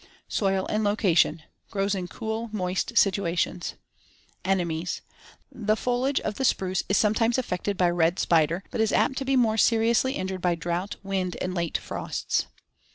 Soil and location: Grows in cool, moist situations. Enemies: The foliage of the spruce is sometimes affected by red spider, but is apt to be more seriously injured by drought, wind, and late frosts.